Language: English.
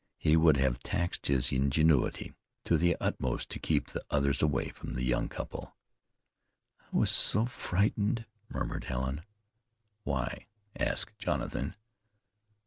He would have taxed his ingenuity to the utmost to keep the others away from the young couple. "I was so frightened," murmured Helen. "Why?" asked Jonathan.